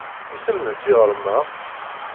Isem-nnes yiɣrem-a?